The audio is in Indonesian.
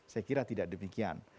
saya kira tidak demikian